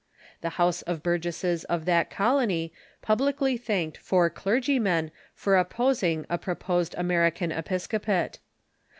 The House of Burgesses of that colony publicly thanked four clergymen for opposing a proposed American Episcopate.